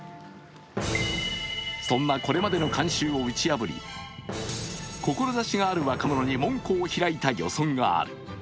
そんなこれまでの慣習を打ち破り、志のある若者に門戸を開いた漁村がある。